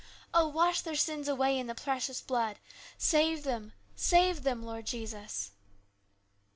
Oh, wash their sins away in the precious blood ! Save them, save them, Lord Jesus